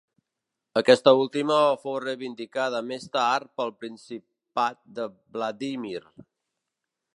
Aquesta última fou reivindicada més tard pel principat de Vladímir.